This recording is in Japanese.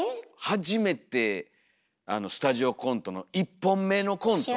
初めてスタジオコントの１本目のコント。